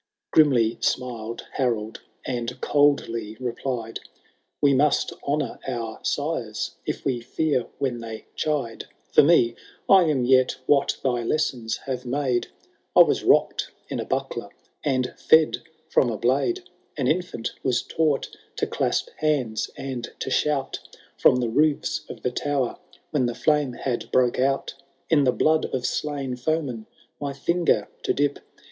XI. Grimly smiled Harold, and coldly replied, ♦* We must honour our sires, if we fear when they chide. For me, I am yet what thy lessons have made, I was rocked in a buckler and fed from a blade ; An infant, was taught to clasp hands and to shout. From the roo& of the tower when the flame had broko out ; Ii^ the blood of slain foemen my finger to dip.